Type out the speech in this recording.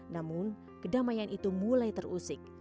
namun kedamaian itu mulai terusik